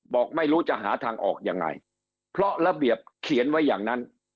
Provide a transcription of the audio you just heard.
บอกไม่รู้จะหาทางออกยังไงเพราะระเบียบเขียนไว้อย่างนั้น